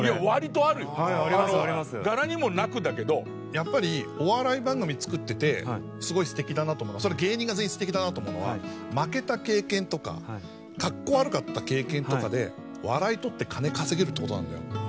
やっぱりお笑い番組作っててすごい素敵だなと思うのは芸人が全員素敵だなと思うのは負けた経験とか格好悪かった経験とかで笑いとって金稼げるって事なんだよ。